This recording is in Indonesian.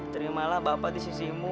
terimalah bapak di sisimu